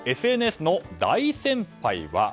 ＳＮＳの大先輩は。